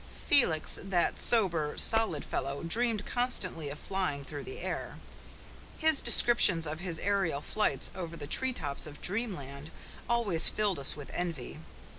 Felix, that sober, solid fellow, dreamed constantly of flying through the air. His descriptions of his aerial flights over the tree tops of dreamland always filled us with envy.